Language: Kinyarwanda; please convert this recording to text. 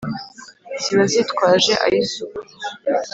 Ziba zitwaje ay’isuku.